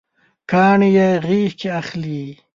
کاڼي یې غیږکې اخلي